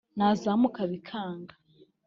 nazamuka bikanga